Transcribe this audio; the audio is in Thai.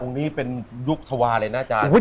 ตรงนี้เป็นลูกทวาเลยนะอาจารย์